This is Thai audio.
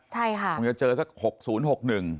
ใช่ค่ะคงจะเจอสักหกศูนย์หกหนึ่ง